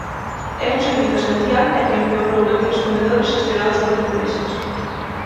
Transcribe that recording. É un servizo esencial e que empeorou naqueles comedores xestionados por empresas.